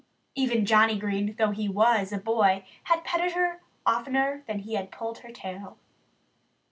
Even Johnnie Green though he was a boy had petted her oftener than he had pulled her tail.